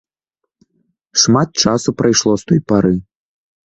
Шмат часу прайшло з той пары.